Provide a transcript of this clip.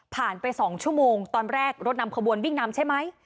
ไป๒ชั่วโมงตอนแรกรถนำขบวนวิ่งนำใช่ไหม